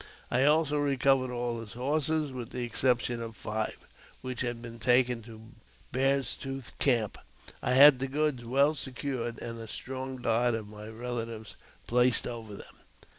I also recovered all his horses, with the exception of five, which had been taken to Bear's Tooth's camp. I had the goods well secured, and a strong guard of my relatives placed over them.